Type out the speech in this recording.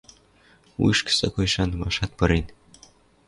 Вуйышкы сакой шанымашат пырен.